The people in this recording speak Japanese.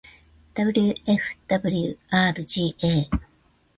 wfwarga